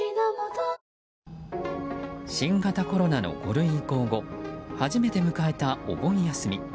新型コロナの５類移行後初めて迎えたお盆休み。